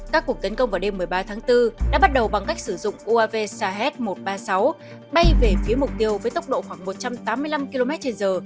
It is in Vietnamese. các cuộc tấn công vào đêm một mươi ba tháng bốn đã bắt đầu bằng cách sử dụng uav sah một trăm ba mươi sáu bay về phía mục tiêu với tốc độ khoảng một trăm tám mươi năm km trên giờ